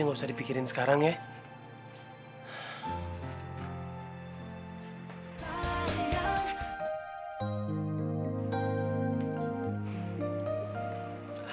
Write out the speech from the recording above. nggak usah dipikirin sekarang ya